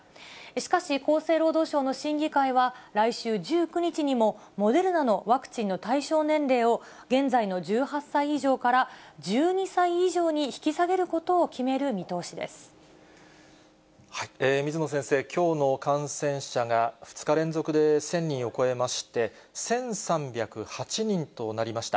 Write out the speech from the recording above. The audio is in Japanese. しかし、厚生労働省の審議会は来週１９日にも、モデルナのワクチンの対象年齢を、現在の１８歳以上から１２歳以上に引き下げることを決める見通し水野先生、きょうの感染者が２日連続で１０００人を超えまして、１３０８人となりました。